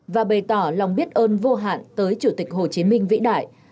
và bày tỏ lòng biết ơn vô hạn tới chủ tịch hồ chí minh vĩ đại